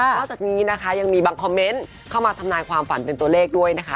อกจากนี้นะคะยังมีบางคอมเมนต์เข้ามาทำนายความฝันเป็นตัวเลขด้วยนะคะ